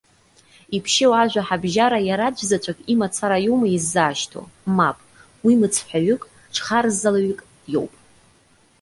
Иԥшьоу ажәа ҳабжьара иараӡәзаҵәык имацара иоума иззаашьҭу? Мап! Уи мыцҳәаҩык, ҽхарззалаҩык иоуп!